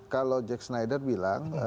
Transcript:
kalau jack snyder bilang